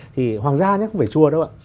thì hoàng gia nhé không phải chùa đâu ạ